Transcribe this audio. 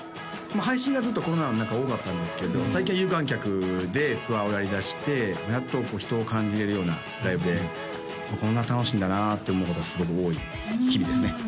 配信がずっとコロナの中多かったんですけど最近は有観客でツアーをやりだしてやっと人を感じれるようなライブでこんな楽しいんだなって思うことがすごく多い日々ですね